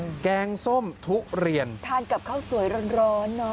นี่แกงส้มทุเรียนทานกับข้าวสวยร้อนนะ